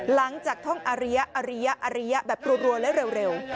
หลังจากท่องอารียะอารียะอารียะแบบรวมแล้ว